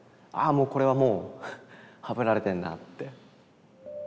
もうこれはもうはぶられてんなって。